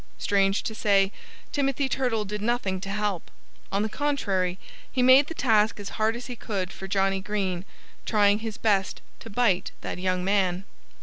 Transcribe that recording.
Strange to say, Timothy Turtle did nothing to help. On the contrary, he made the task as hard as he could for Johnnie Green, trying his best to bite that young man.